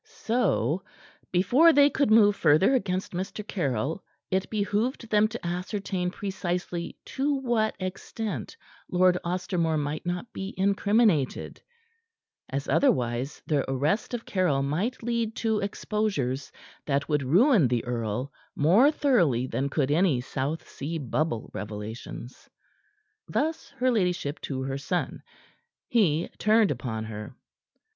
So, before they could move further against Mr. Caryll, it behooved them to ascertain precisely to what extent Lord Ostermore might not be incriminated, as otherwise the arrest of Caryll might lead to exposures that would ruin the earl more thoroughly than could any South Sea bubble revelations. Thus her ladyship to her son. He turned upon her.